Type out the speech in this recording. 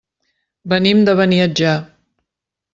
Venim de Beniatjar.